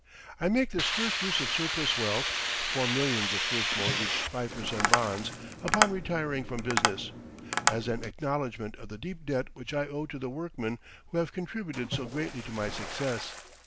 March 12, 1901_ I make this first use of surplus wealth, four millions of first mortgage 5% Bonds, upon retiring from business, as an acknowledgment of the deep debt which I owe to the workmen who have contributed so greatly to my success.